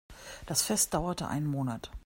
Das Fest dauerte einen Monat.